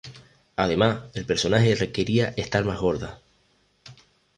Además, el personaje requería estar más gorda.